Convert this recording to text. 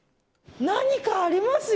何かありますよ。